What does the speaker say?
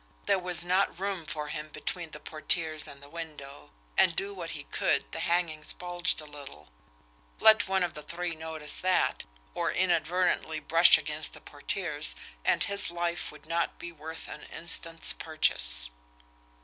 There was not room for him between the portieres and the window; and, do what he could, the hangings bulged a little. Let one of the three notice that, or inadvertently brush against the portieres, and his life would not be worth an instant's purchase.